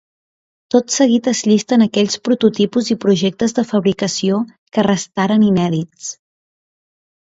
Tot seguit es llisten aquells prototipus i projectes de fabricació que restaren inèdits.